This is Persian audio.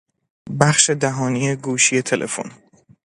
بخش دهانی گوشی تلفن